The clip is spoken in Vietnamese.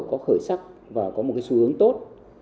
có khởi sắc và có một xu hướng tốt